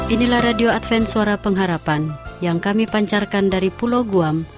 inilah radio adven suara pengharapan yang kami pancarkan dari pulau guam